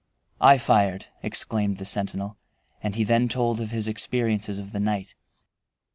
"I fired," exclaimed the sentinel, and he then told of his experiences of the night.